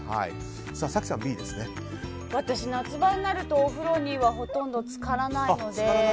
私、夏場になるとお風呂にはほとんどつからないので。